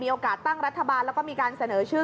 ตั้งรัฐบาลแล้วก็มีการเสนอชื่อ